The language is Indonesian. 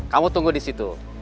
kamu tunggu di situ